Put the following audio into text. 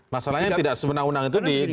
masalahnya tidak sewenang wenang itu di